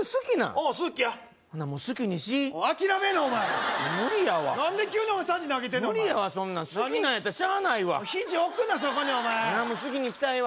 おお好きやほなもう好きにし諦めんなお前無理やわ何で急にさじ投げてんねんお前無理やわそんなん好きなんやったらしゃあないわ肘置くなそこにお前好きにしたらええわ